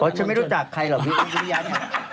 ก็จะไม่รู้จักใครเหรอพี่อุ๊บวิริยะนี่